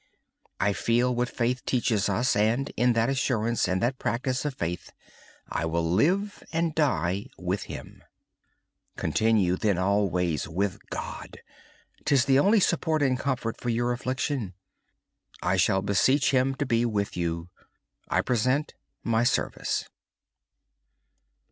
I feel what faith teaches us, and, in that assurance and that practice of faith, I live and die with Him. Stay with God always for He is the only support and comfort for your affliction. I shall beseech Him to be with you. I present my service.